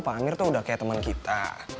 pak amir tuh udah kayak temen kita